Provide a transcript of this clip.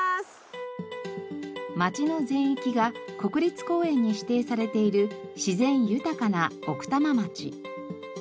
町の全域が国立公園に指定されている自然豊かな奥多摩町。